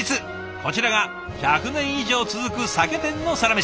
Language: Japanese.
こちらが１００年以上続く酒店のサラメシ。